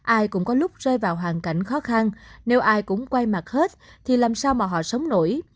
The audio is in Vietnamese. ai cũng có lúc rơi vào hoàn cảnh khó khăn nếu ai cũng quay mặt hết thì làm sao mà họ sống nổi